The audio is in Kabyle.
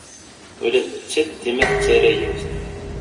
Ula d nettat dima tettara-yas-d.